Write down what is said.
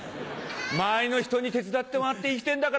周りの人に手伝ってもらって生きてんだから。